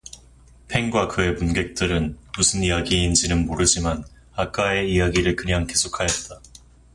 팽과 그의 문객들은 무슨 이야기인지는 모르지만 아까의 이야기를 그냥 계속하였다.